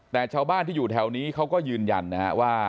แต่ชาวบ้านที่อยู่แถวนี้เขาก็ยืนยันนะฮะว่า